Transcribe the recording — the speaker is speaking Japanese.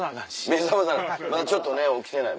目覚まさなまだちょっとね起きてない。